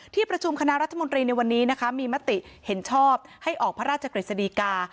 ที่ประชุมคณะรัฐมนตรีในวันนี้นะคะมีมติเห็นชอบให้ออกพระราชกฤษฎีกา